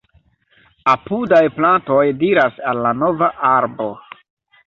Apudaj plantoj diras al la nova arbo: